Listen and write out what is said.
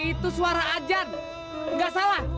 itu suara ajan gak salah